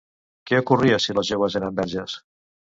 Què ocorria si les joves eren verges?